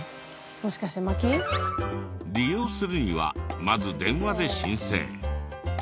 もしかして薪？利用するにはまず電話で申請。